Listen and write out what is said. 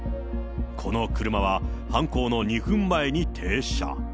この車は、犯行の２分前に停車。